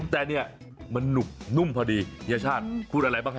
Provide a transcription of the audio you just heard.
แต่นี่มันนุ่มพอดียชาติพูดอะไรบ้างนะ